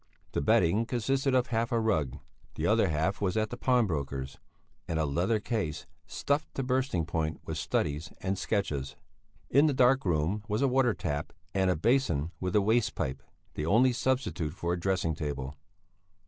The bedding consisted of half a rug the other half was at the pawnbroker's and a leather case, stuffed to bursting point with studies and sketches. In the dark room was a water tap and a basin with a waste pipe the only substitute for a dressing table.